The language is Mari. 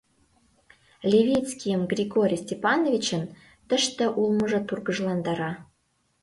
Левицкийым Григорий Степановичын тыште улмыжо тургыжландара.